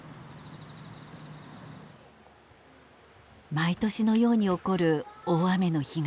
毎年のように起こる大雨の被害。